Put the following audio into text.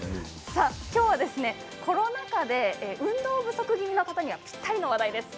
きょうはコロナ禍で運動不足気味の方にぴったりの話題です。